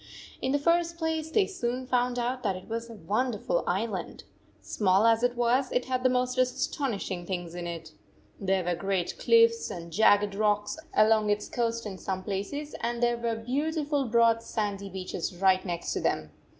In the first place, they soon found out that it was a wonderful island. Small as it was, it had the most astonishing things in it There were great cliffs and jagged rocks along its coast in some places, and there were beautiful broad sandy beaches right next to them.